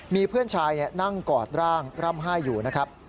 มีเพื่อนชายนั่งกอดร่างร่ำไห้อยู่นะครับ